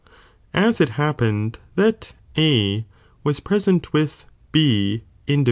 As it happened that A was present with 6 indl i.